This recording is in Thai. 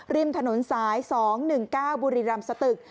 ริมถนนสาย๒๑๙บุรีรำสตึก